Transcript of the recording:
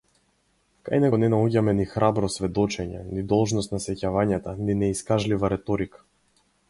Кај него не наоѓаме ни храбро сведочење, ни должност на сеќавањата, ни неискажлива реторика.